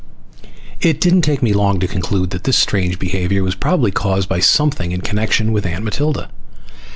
It didn't take me long to conclude that this strange behavior was probably caused by something in connection with Aunt Matilda.